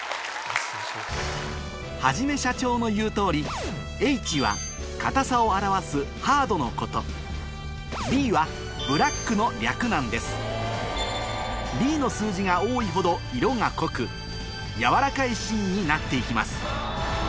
はじめしゃちょーの言う通り「Ｈ」は硬さを表す「Ｈａｒｄ」のこと「Ｂ」は「Ｂｌａｃｋ」の略なんですＢの数字が多いほど色が濃くやわらかい芯になって行きます